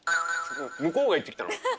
向こうが言ってきたの？